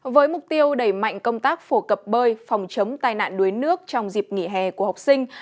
với mục tiêu đẩy mạnh công tác phổ cập bơi phòng chống tai nạn đuối nước trong dịp nghỉ hè của học sinh